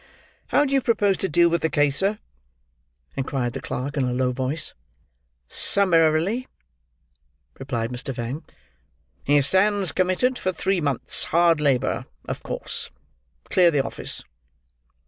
"How do you propose to deal with the case, sir?" inquired the clerk in a low voice. "Summarily," replied Mr. Fang. "He stands committed for three months—hard labour of course. Clear the office."